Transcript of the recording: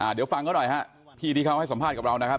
เดี๋ยวฟังเขาหน่อยฮะพี่ที่เขาให้สัมภาษณ์กับเรานะครับ